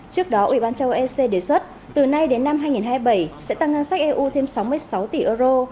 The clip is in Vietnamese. trước đó ủy ban châu ec đề xuất từ nay đến năm hai nghìn hai mươi bảy sẽ tăng ngân sách eu thêm sáu mươi sáu tỷ euro